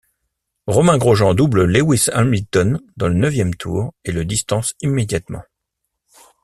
Romain Grosjean double Lewis Hamilton dans le neuvième tour et le distance immédiatement.